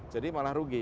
jadi malah rugi